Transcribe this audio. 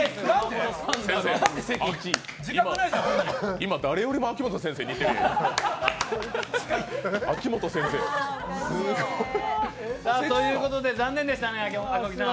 今、誰よりも秋元先生に似てるよ。ということで残念でしたね、赤荻さん。